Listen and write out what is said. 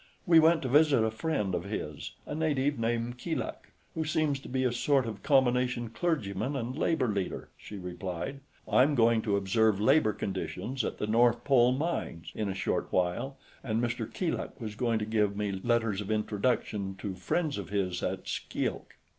"We went to visit a friend of his, a native named Keeluk, who seems to be a sort of combination clergyman and labor leader," she replied. "I'm going to observe labor conditions at the North Pole mines in a short while, and Mr. Keeluk was going to give me letters of introduction to friends of his at Skilk."